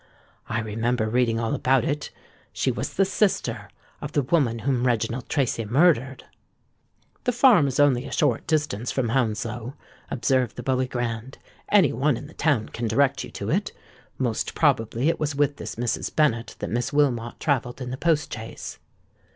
I remember reading all about it. She was the sister of the woman whom Reginald Tracy murdered." "The farm is only a short distance from Hounslow," observed the Bully Grand: "any one in the town can direct you to it. Most probably it was with this Mrs. Bennet that Miss Wilmot travelled in the post chaise."